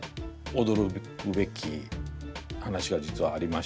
驚くべき話が実はありまして。